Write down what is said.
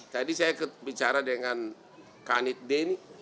tadi saya bicara dengan kanit denn